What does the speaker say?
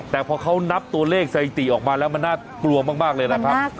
แต่พอเขานับตัวเลขสถิติออกมาแล้วมันน่ากลัวมากเลยนะครับ